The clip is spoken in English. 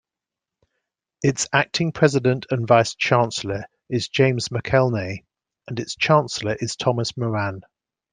Its acting President and Vice-Chancellor is James McElnay, and its Chancellor is Thomas Moran.